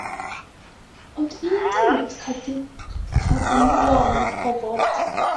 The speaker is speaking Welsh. Ond un diwrnod caiff ei gipio gan long ofod.